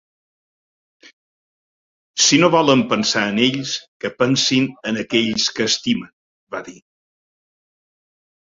“Si no volen pensar en ells, que pensin en aquells que estimen”, va dir.